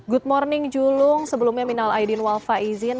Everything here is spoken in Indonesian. good morning julung sebelumnya minal aidin walfa izin